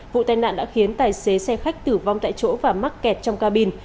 vụ tai nạn đã khiến tài xế xe khách tử vong tại chỗ và mắc kẹt trong ca bin